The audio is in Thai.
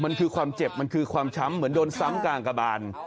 มันคือความเจ็บมันคือความช้ำเหมือนโดนซ้ำกลางกระบาน